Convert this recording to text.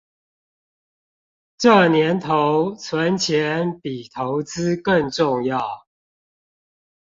這年頭存錢比投資更重要